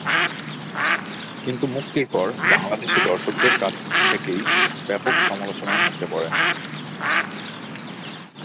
কিন্তু মুক্তির পর বাংলাদেশী দর্শকদের কাছ থেকেই ব্যাপক সমালোচনার মুখে পড়ে।